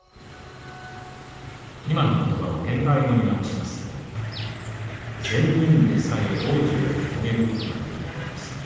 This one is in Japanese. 今の言葉を現代語に直しますと「善人でさえ往生を遂げることができるのです。